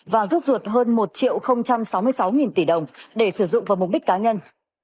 và rút ruột hơn một sáu mươi sáu tỷ đồng để sử dụng vào mục đích cá nhân